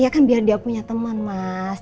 ya kan biar dia punya teman mas